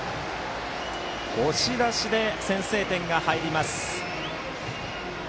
押し出しで先制点が入ります。